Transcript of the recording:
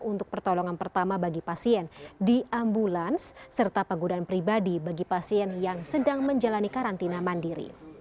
untuk pertolongan pertama bagi pasien di ambulans serta penggunaan pribadi bagi pasien yang sedang menjalani karantina mandiri